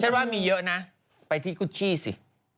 ว่ามีเยอะนะไปที่คุชชี่สิ